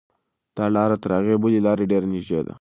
دا لاره تر هغې بلې لارې ډېره نږدې ده.